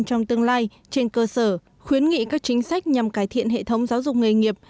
trong tương lai trên cơ sở khuyến nghị các chính sách nhằm cải thiện hệ thống giáo dục nghề nghiệp